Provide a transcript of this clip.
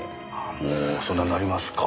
もうそんなになりますか。